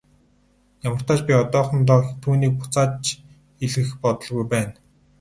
Ямартаа ч би одоохондоо түүнийг буцааж илгээх бодолгүй байна.